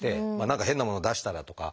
何か変なものを出したらとか。